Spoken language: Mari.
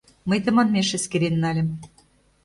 Мый тыманмеш эскерен нальым.